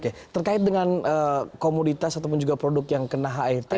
oke terkait dengan komoditas ataupun juga produk yang kena hiv